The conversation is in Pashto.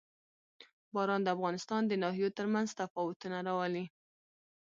باران د افغانستان د ناحیو ترمنځ تفاوتونه راولي.